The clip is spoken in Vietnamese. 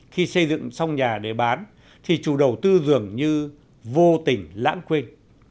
khi xây dựng xong nhà để bán thì chủ đầu tư dường như vô tình lãng quên